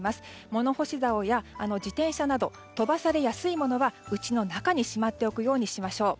物干しざおや自転車など飛ばされやすいものはうちの中にしまっておくようにしましょう。